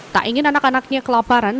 tak ingin anak anaknya kelaparan